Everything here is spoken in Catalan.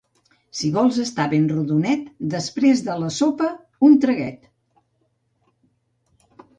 Si vols estar ben rodonet, després de la sopa un traguet